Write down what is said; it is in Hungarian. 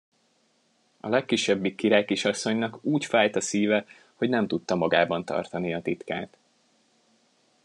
A legkisebbik királykisasszonynak úgy fájt a szíve, hogy nem tudta magában tartani a titkát.